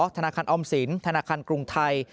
ธนาคารออมสินธนาคารกรุงไทย